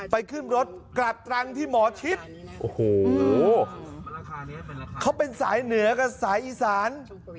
ขึ้นรถกลับตรังที่หมอชิดโอ้โหเขาเป็นสายเหนือกับสายอีสาน